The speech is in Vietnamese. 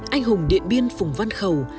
anh hùng điện biên phùng văn khầu